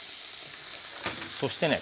そしてね